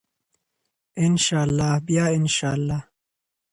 ان شاء الله بیا ان شاء الله.